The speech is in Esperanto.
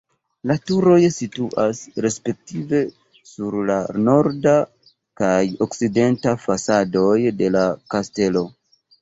La turoj situas respektive sur la norda kaj okcidenta fasadoj de la kastelo.